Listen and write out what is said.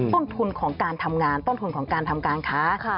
ต้นทุนของการทำงานต้นทุนของการทำการค้า